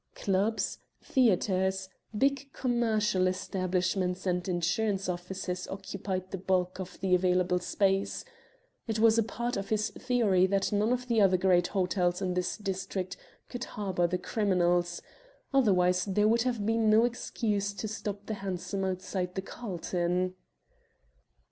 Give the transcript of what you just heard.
Clubs, theatres, big commercial establishments and insurance offices occupied the bulk of the available space. It was a part of his theory that none of the other great hotels in this district could harbour the criminals, otherwise there would have been no excuse to stop the hansom outside the Carlton.